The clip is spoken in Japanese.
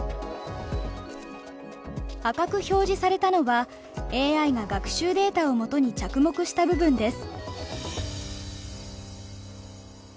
赤く表示されたのはＡＩが学習データをもとに着目した部分です。